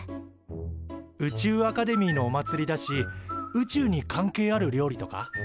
宇宙アカデミーのおまつりだし宇宙に関係ある料理とか？